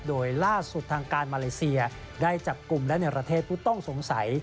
โดยล่าสุดทางการมาเลเซียได้จับกลุ่มและในประเทศผู้ต้องสงสัย